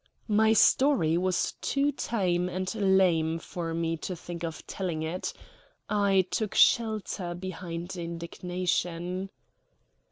My story was too tame and lame for me to think of telling it. I took shelter behind indignation.